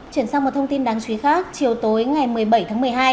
chuyển sang một thông tin đáng chú ý khác chiều tối ngày một mươi bảy tháng một mươi hai